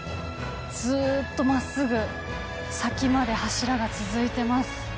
ずうっと真っすぐ先まで柱が続いてます。